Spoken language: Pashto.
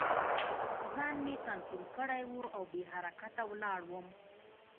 ځان مې کنترول کړی و او بې حرکته ولاړ وم